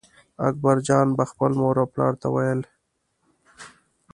اکبرجان به خپل مور او پلار ته ویل.